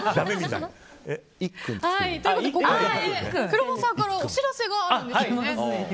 黒羽さんからお知らせがあるんですよね。